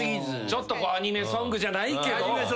ちょっとアニメソングじゃないけど。